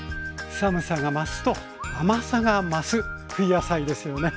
寒さが増すと甘さが増す冬野菜ですよね。